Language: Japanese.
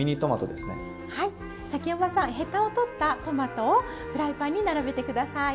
崎山さんヘタを取ったトマトをフライパンに並べて下さい。